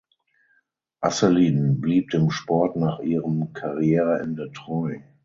Asselin blieb dem Sport nach ihrem Karriereende treu.